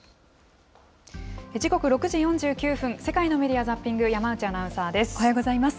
時刻６時４９分、世界のメディア・ザッピング、おはようございます。